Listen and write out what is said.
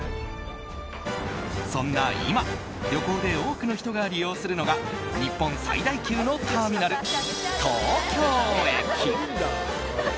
そんな今旅行で多くの人が利用するのが日本最大級のターミナル東京駅。